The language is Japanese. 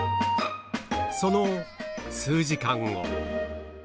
その数時間後。